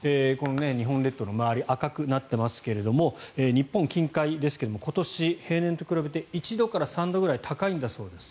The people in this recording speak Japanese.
日本列島の周りが赤くなっていますが日本近海ですが今年、平年と比べて１度から３度くらい高いんだそうです。